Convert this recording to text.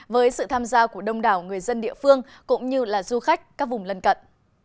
với sự tham gia của đông đảo người dân địa phương cũng như là du khách các vùng lân cận